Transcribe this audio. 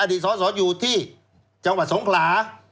สอสออยู่ที่จังหวัดสงขลา